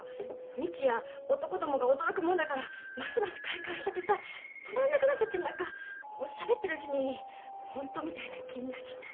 ミチや男どもが驚くもんだからますます快感しちゃってさ止まんなくなっちゃって何かしゃべってるうちにホントみたいな気になっちゃった。